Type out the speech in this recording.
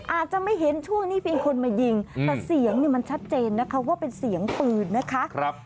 อาจจะไม่เห็นช่วงนี้มีคนมายิงแต่เสียงเนี่ยมันชัดเจนนะคะว่าเป็นเสียงปืนนะคะ